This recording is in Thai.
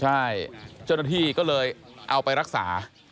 ใช่เจ้าหน้าที่ก็เลยเอาไปรักษา